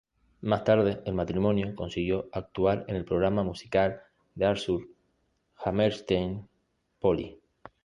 Más tarde, el matrimonio consiguió actuar en el programa musical de Arthur Hammerstein "Polly".